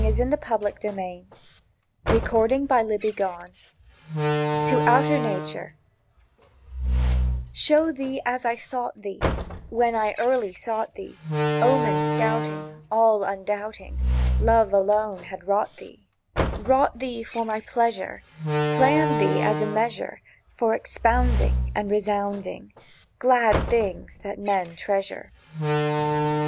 [Picture: Sketch of vase with dead flowers] TO OUTER NATURE SHOW thee as I thought thee When I early sought thee, Omen scouting, All undoubting Love alone had wrought thee— Wrought thee for my pleasure, Planned thee as a measure For expounding And resounding Glad things that men treasure.